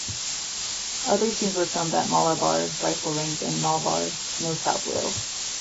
Other scenes were filmed at Malarbar rifle range in Malabar, New South Wales.